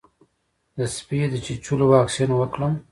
د سپي د چیچلو واکسین وکړم؟